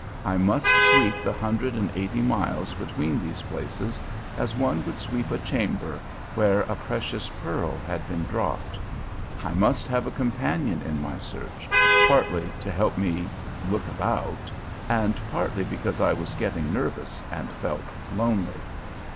I must sweep the hundred and eighty miles between these places as one would sweep a chamber where a precious pearl had been dropped. I must have a companion in my search, partly to help me look about, and partly because I was getting nervous and felt lonely.